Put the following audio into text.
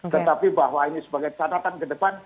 tetapi bahwa ini sebagai catatan ke depan